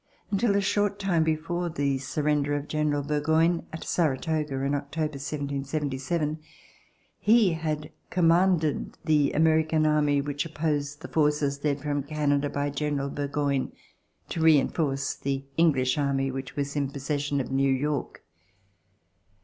Until a short time before the surrender of General Burgoyne, at Saratoga in October, 1777, he had commanded the American army which opposed the forces led from Canada by General Burgoyne to reenforce the English army which was in possession of New York.